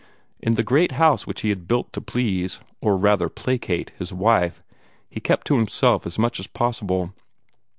In the great house which had been built to please, or rather placate, his wife, he kept to himself as much as possible.